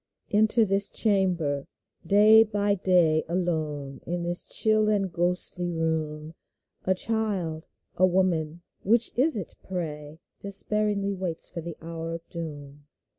Enter this chamber. Day by day. Alone in this chill and ghostly room, A child — a woman — which is it, pray ?— Despairingly waits for the hour of doom